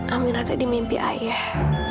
amirah tadi mimpi ayah